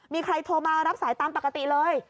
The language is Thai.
มีใครโทรมารับสายตามปกติเลย